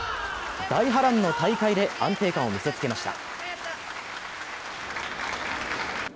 大波乱の大会で安定感を見せつけました。